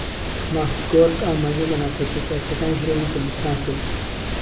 ماکگۆرک ئاماژەی بە ناکۆکییە سیاسییەکانی هەرێمی کوردستان کرد